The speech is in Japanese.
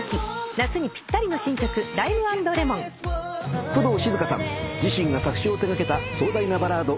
夏にぴったりの新曲『Ｌｉｍｅ＆Ｌｅｍｏｎ』工藤静香さん自身が作詞を手掛けた壮大なバラード